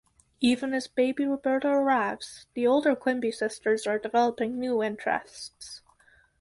Even as baby Roberta arrives, the older Quimby sisters are developing new interests.